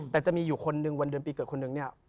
แต่จะมีอยู่คนหนึ่งวันเดือนปีเกิดคนนึงเนี่ย